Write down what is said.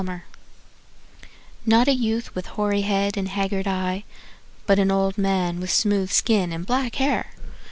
Ami Green Not "a youth with hoary head and haggard eye", But an old man with a smooth skin And black hair!